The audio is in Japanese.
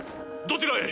どちらへ？